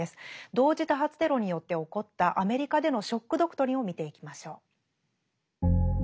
同時多発テロによって起こったアメリカでの「ショック・ドクトリン」を見ていきましょう。